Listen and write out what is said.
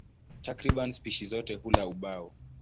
Takriban spishi zote hula ubao.